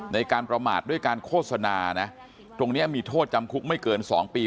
ในการประมาทด้วยการโฆษณานะตรงนี้มีโทษจำคุกไม่เกิน๒ปี